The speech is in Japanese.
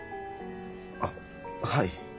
あっはい。